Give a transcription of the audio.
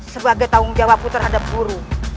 sebagai tanggung jawabku terhadap guru